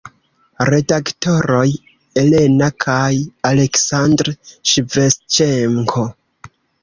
Redaktoroj: Elena kaj Aleksandr Ŝevĉenko.